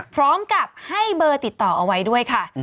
พร้อมกับให้เบอร์ติดต่อเอาไว้ด้วยค่ะ